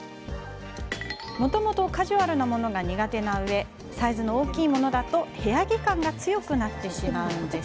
もともとカジュアルなものが苦手なうえサイズの大きいものだと部屋着感が強くなってしまうんです。